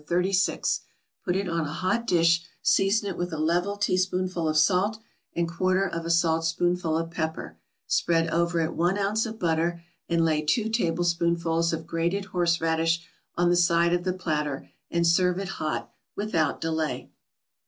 36, put it on a hot dish, season it with a level teaspoonful of salt, and quarter of a saltspoonful of pepper, spread over it one ounce of butter, and lay two tablespoonfuls of grated horseradish on the side of the platter, and serve it hot, without delay.